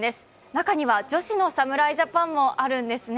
中には女子の侍ジャパンもあるんですね。